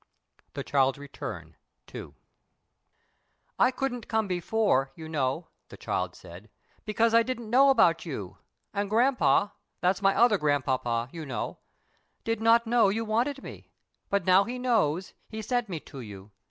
THE CHILD'S RETURN.—II. "I couldn't come before, you know," the child said, "because I didn't know about you, and grampa—that's my other grandpapa, you know—did not know you wanted me; but now he knows he sent me to you.